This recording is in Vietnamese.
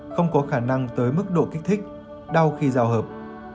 không có khả năng tới mức độ kích thích đau khi giao hợp